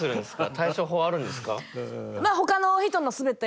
対処法はあるんですか？